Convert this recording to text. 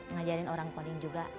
ngajarin orang coding juga